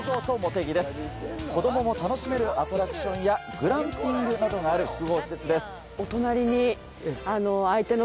子供も楽しめるアトラクションやグランピングなどがある複合施設です。